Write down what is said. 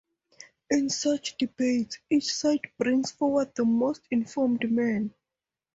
In such debates, each side brings forward the most informed men.